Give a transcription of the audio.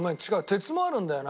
鉄もあるんだよな。